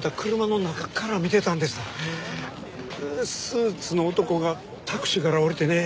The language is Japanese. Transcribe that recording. スーツの男がタクシーから降りてね